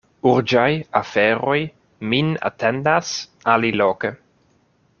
Urĝaj aferoj min atendas aliloke.